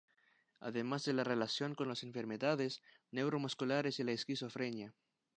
Además de la relación con las enfermedades neuromusculares y la esquizofrenia.